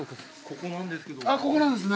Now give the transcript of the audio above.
ここなんですね。